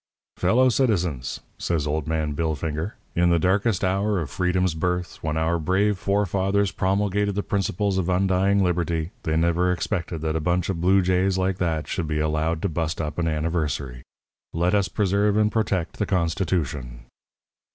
"'Fellow citizens!' says old man Billfinger, 'In the darkest hour of Freedom's birth, when our brave forefathers promulgated the principles of undying liberty, they never expected that a bunch of blue jays like that should be allowed to bust up an anniversary. Let us preserve and protect the Constitution.'